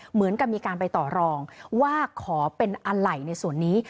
เหมือนกับมีการไปต่อรองว่าขอเป็นอะไรในส่วนนี้